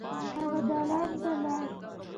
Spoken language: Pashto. هغه دالان ته لاړ.